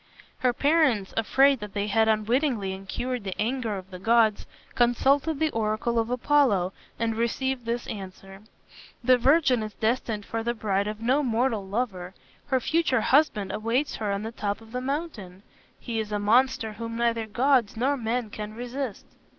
Her parents, afraid that they had unwittingly incurred the anger of the gods, consulted the oracle of Apollo, and received this answer: "The virgin is destined for the bride of no mortal lover. Her future husband awaits her on the top of the mountain. He is a monster whom neither gods nor men can resist."